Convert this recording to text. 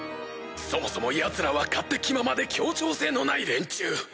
そもそもヤツらは勝手気ままで協調性のない連中。